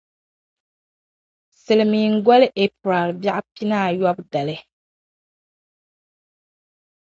silimiingoli April bɛɣu pinaayɔbu dali.